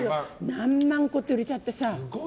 何万個って売れちゃってさ。